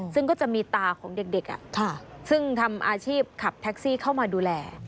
ซึ่งก็จะมีตาของเด็กซึ่งทำอาชีพขับแท็กซี่เข้ามาดูแล